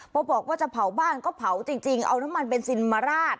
พอบอกว่าจะเผาบ้านก็เผาจริงเอาน้ำมันเบนซินมาราด